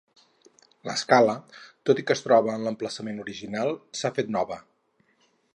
L'escala, tot i que es troba en l'emplaçament original, s'ha fet nova.